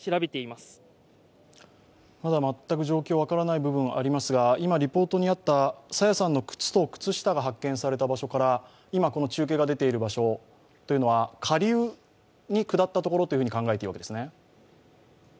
まだ全く状況が分からない部分がありますが、朝芽さんの靴と靴下が発見された場所から、今この中継が出ている場所は下流に下った所と考えていいわけですね？